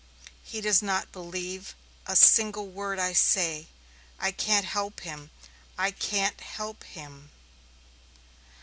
"He does not believe a single word I say. I can't help him I can't help him."